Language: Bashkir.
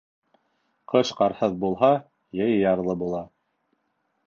Ҡыш ҡарһыҙ булһа, йәй ярлы була.